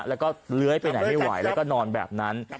แล้วก็เลื้อยไปไหนไม่ไหวแล้วก็นอนแบบนั้น